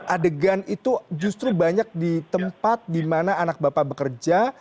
adegan itu justru banyak di tempat di mana anak bapak bekerja